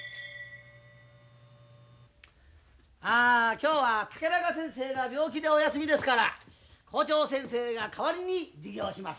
ああ今日は竹中先生が病気でお休みですから校長先生が代わりに授業します。